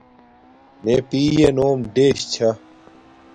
مݺ پِیئݺ نݸم ـــــ چھݳ.